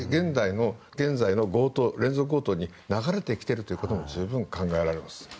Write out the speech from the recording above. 現在の連続強盗に流れてきていることも十分考えられます。